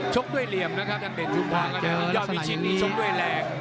ชกด้วยเหลี่ยมนะครับถ้าเดชยุมฮอร์ก็ยอดวิชิตนี้ชกด้วยแรง